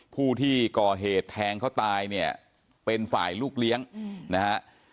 ผู้ที่ก่อเหตุแทงเขาตายเนี่ยเป็นฝ่ายลูกเลี้ยงนะฮะ